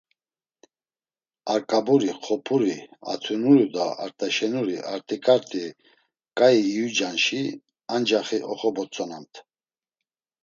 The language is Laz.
Arkaburi, Xop̌uri, Atinuri do Art̆aşenuri artik̆at̆i k̆ai iyucanşi ancaxi oxobotzonamt.